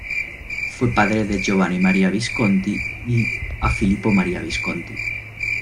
Fue padre de Giovanni Maria Visconti y a Filippo Maria Visconti.